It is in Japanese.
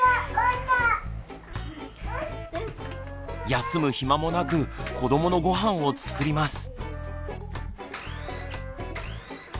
休む暇もなく子どものごはんを作ります。